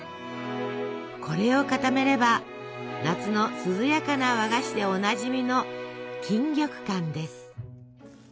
これを固めれば夏の涼やかな和菓子でおなじみの錦玉羹です。